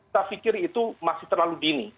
saya pikir itu masih terlalu dini